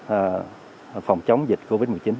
và phòng chống dịch covid một mươi chín